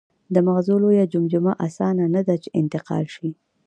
د مغزو لویه جمجمه اسانه نهده، چې انتقال شي.